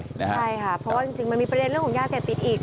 ใช่ค่ะเพราะว่าจริงมันมีประเด็นเรื่องของยาเสพติดอีก